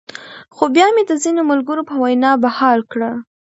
خو بيا مې د ځينې ملګرو پۀ وېنا بحال کړۀ -